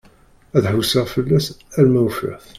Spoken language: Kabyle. Ad ḥewseɣ fell-as arma ufiɣ-t.